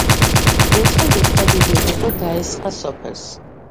ერთხელ ლეკთა დიდი ბრბო დაესხა სოფელს.